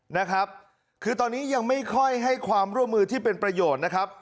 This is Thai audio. นะครับคือตอนนี้ยังไม่ค่อยให้ความร่วมมือที่เป็นประโยชน์นะครับ